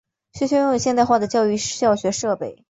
学校拥有现代化的教育教学设备。